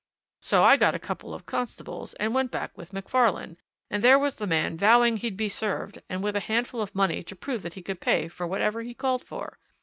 So I got a couple of constables and went back with Macfarlane, and there was the man vowing he'd be served, and with a handful of money to prove that he could pay for whatever he called for.